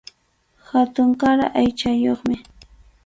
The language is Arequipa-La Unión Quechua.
Hatunkaray aychayuqmi.